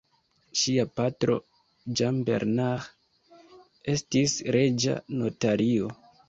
Ŝia patro, Jean Bernard, estis reĝa notario.